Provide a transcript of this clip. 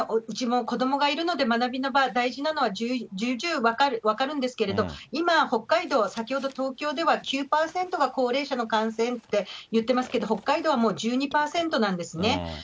うちも子どもがいるので、学びの場、大事なのは重々分かるんですけれど、今、北海道、先ほど、東京では９％が高齢者の感染っていってますけれども、北海道はもう１２％なんですね。